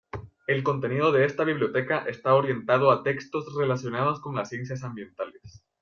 El contenido de esta biblioteca está orientado a textos relacionados con las ciencias ambientales.